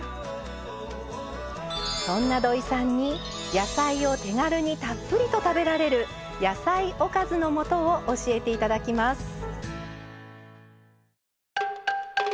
そんなどいさんに野菜を手軽にたっぷりと食べられる“野菜おかず”のもとを教えて頂きます。